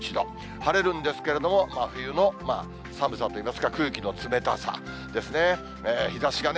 晴れるんですけれども、真冬の寒さといいますか、空気の冷たさですね。